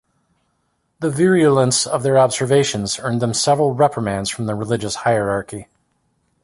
The virulence of their observations earned them several reprimands from the religious hierarchy.